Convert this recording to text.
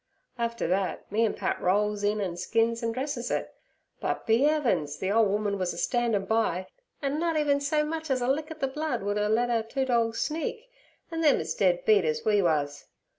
After thet me an' Pat rolls in an' skins an' dresses it. But, be 'eavens! the ole woman was a standin' by, an' nut even so much as a lick at the blood would 'er le' our two dorgs sneak, an' them as dead beat as we wuz.